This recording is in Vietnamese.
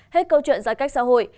hết câu chuyện giãn cách xã hội